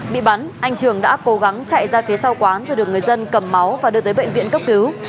bị bắn anh trường đã cố gắng chạy ra phía sau quán rồi được người dân cầm máu và đưa tới bệnh viện cấp cứu